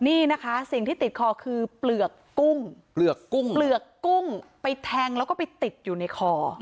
นี่นะคะสิ่งที่ติดคอคือเปลือกกุ้งเปลือกกุ้งเปลือกกุ้งไปแทงแล้วก็ไปติดอยู่ในคอ